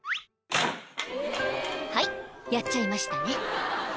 はいやっちゃいましたね